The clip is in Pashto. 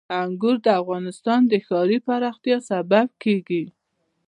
انګور د افغانستان د ښاري پراختیا سبب کېږي.